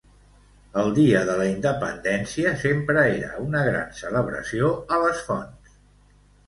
El Dia de la Independència sempre era una gran celebració a les fonts.